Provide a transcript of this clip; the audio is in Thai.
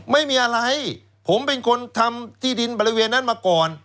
ไม่มีอะไรผมเป็นคนทำที่ดินบริเวณนั้นมาก่อน